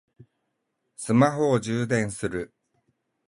スマホを充電する